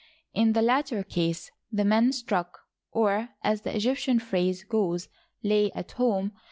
In the latter case, the men struck, or, as the Egyptian phrase goes, "lay at home."